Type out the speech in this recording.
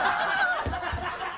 ハハハ